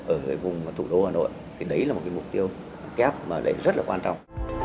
ở vùng thủ đô hà nội thì đấy là một mục tiêu kép mà lại rất là quan trọng